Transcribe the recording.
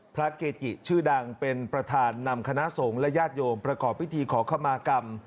เกจิชื่อดังเป็นประธานนำคณะสงฆ์และญาติโยมประกอบพิธีขอขมากรรม